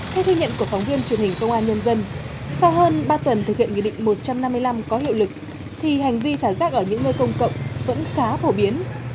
theo ghi nhận của phóng viên truyền hình công an nhân dân sau hơn ba tuần thực hiện nghị định một trăm năm mươi năm có hiệu lực thì hành vi xả rác ở những nơi công cộng vẫn khá phổ biến